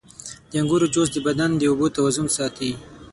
• د انګورو جوس د بدن د اوبو توازن ساتي.